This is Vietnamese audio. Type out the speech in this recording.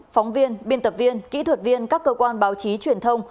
phóng viên biên tập viên kỹ thuật viên các cơ quan báo chí truyền thông